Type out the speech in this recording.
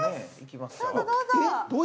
どうぞどうぞ。